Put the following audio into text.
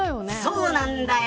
そうなんだよ